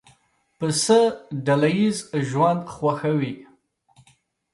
پسه ډله ییز ژوند خوښوي.